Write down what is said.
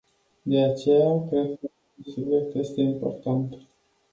De aceea, cred că acest subiect este important.